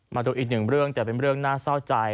มาดูอีกหนึ่งเรื่องแต่เป็นเรื่องน่าเศร้าใจ